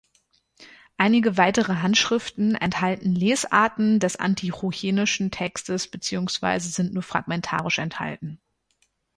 Einige weitere Handschriften enthalten Lesarten des antiochenischen Textes beziehungsweise sind nur fragmentarisch erhalten.